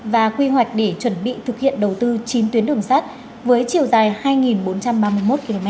và quy hoạch để chuẩn bị thực hiện đầu tư chín tuyến đường sắt với chiều dài hai bốn trăm ba mươi một km